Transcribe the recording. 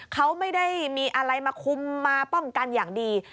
เขาไม่ได้มีอะไรมาคุมมาป้องกันอย่างดี